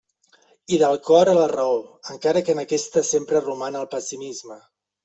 I del cor a la raó, encara que en aquesta sempre roman el pessimisme.